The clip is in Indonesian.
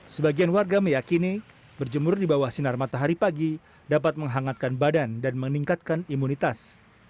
sebagian warga meyakini berjemur di bawah sinar matahari pagi dapat menghangatkan badan dan meningkatkan imunitas